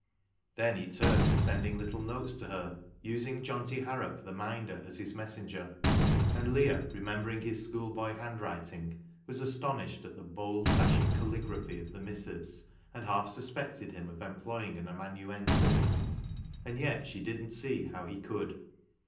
Then he took to sending little notes to her, using Johnty Harrop the "minder" as his messenger, and Leah, remembei'ing his school boy handwriting, was astonished at the bold, dashing caligraphy of the missives, and half suspected him of employing an amanuensis. And yet she didn't see how he could.